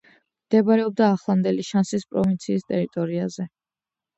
მდებარეობდა ახლანდელი შანსის პროვინციის ტერიტორიაზე.